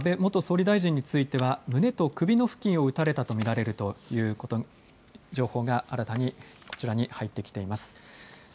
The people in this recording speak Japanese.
その安倍元総理大臣については胸と首の付近を撃たれたとみられるという情報が新たにこちらに入ってきています。